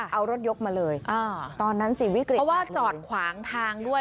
เอารถยกมาเลย